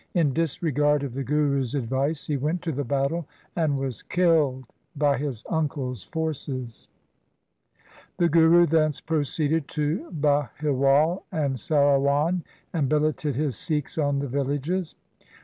In disregard of the Guru's advice he went to battle and was killed by his uncle's forces. The Guru thence proceeded to Bahiwal and Sarawan and billeted his Sikhs on the villages.